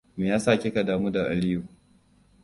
Meyasa kika damu da Aliyu?